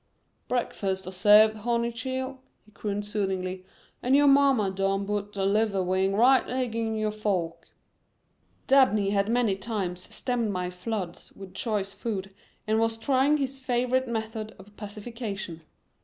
"Breakfast am sarved, honey chile," he crooned soothingly, "an' yo' Mammy done put the liver wing right ag'in yo' fork." Dabney had many times stemmed my floods with choice food and was trying his favorite method of pacification.